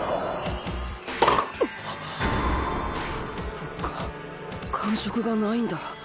そっか感触がないんだ。